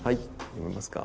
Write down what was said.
読めますか。